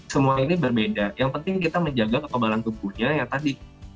semua ini berbeda yang penting kita menjaga kekebalan tubuhnya yang tadi